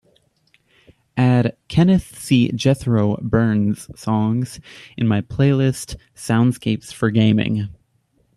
add kenneth c "jethro" burns songs in my playlist soundscapes for gaming